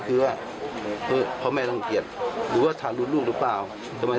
อืมจริงไม่ใช่